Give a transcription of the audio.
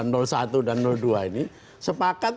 dan dua ini sepakat